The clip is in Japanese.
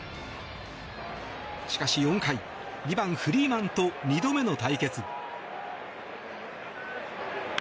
しかし４回、２番、フリーマンと２度目の対決。